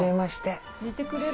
寝てくれる？